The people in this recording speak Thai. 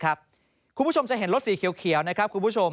คุณผู้ชมจะเห็นรถสีเขียวนะครับ